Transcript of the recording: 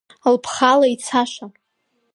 Лԥхала ицаша!